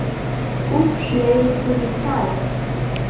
Ruf schnell die Polizei!